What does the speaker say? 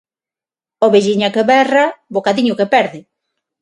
Ovelliña que berra, bocadiño que perde